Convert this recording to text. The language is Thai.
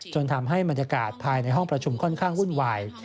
ทำให้บรรยากาศภายในห้องประชุมค่อนข้างวุ่นวาย